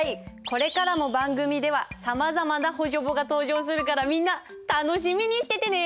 これからも番組ではさまざまな補助簿が登場するからみんな楽しみにしててね！